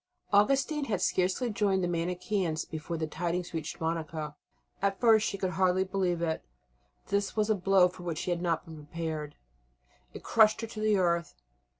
Augustine had scarcely joined the Manicheans before the tidings reached Monica. At first she could hardly believe it. This was a blow for which she had not been prepared; it crushed her to the earth.